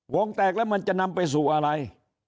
วงแตกแล้วมันจะนำไปสู่อะไร